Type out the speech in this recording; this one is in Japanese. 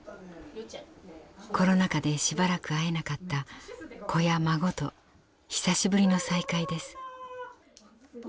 コロナ禍でしばらく会えなかった子や孫と久しぶりの再会です。